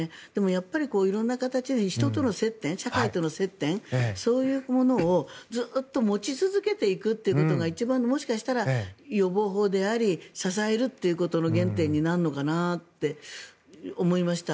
、やっぱり色んな形で人との接点、社会との接点そういうものをずっと持ち続けていくということが一番、もしかしたら予防法であり支えるということの原点になるのかなって思いました。